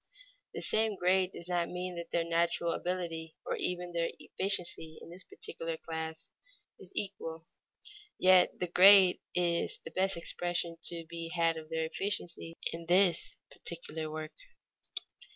The same grade does not mean that their natural ability or even their efficiency in this particular class, is equal. Yet the grade is the best expression to be had of their efficiency in the particular work.